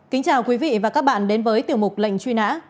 kính chào quý vị và các bạn đến với tiểu mục lệnh truy nã